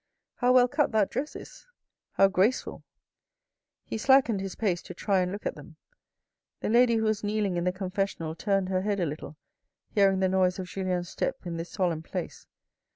How well cut that dress is ! How graceful !" He slackened his pace to try and look at them. The lady who was kneeling in the Confessional turned her head a little hearing the noise of Julien's step in this solemn place.